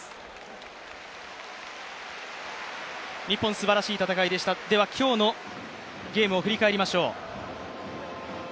日本、すばらしい戦いでした今日のゲームを振り返りましょう。